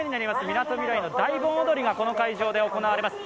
みなとみらいの大盆踊りがこの会場が行われます。